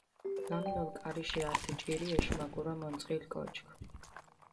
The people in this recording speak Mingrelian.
გამნოლ კარიშე ართი ჯგირი ეშმაკურო მონწყილ კოჩქ.